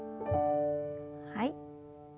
はい。